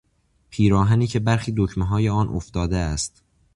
پیراهنی که برخی دکمههای آن افتاده است